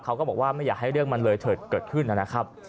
เขาก็บอกว่าไม่อยากให้เรื่องมันเลยเถิดเกิดขึ้นนะครับ